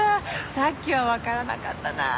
さっきはわからなかったなあ。